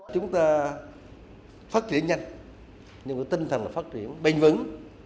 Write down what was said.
chúng ta phát triển nhanh nhưng tinh thần là phát triển bền vững